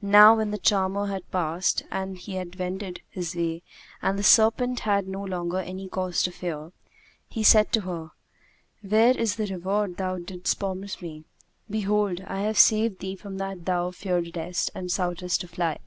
Now when the charmer had passed and had wended his way and the serpent had no longer any cause to fear, he said to her, 'Where is the reward thou didst promise me? Behold, I have saved thee from that thou fearedest and soughtest to fly.'